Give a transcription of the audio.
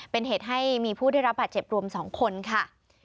เป็นเหตุให้มีผู้ได้รับบาดเจ็บรวม๒คนค่ะ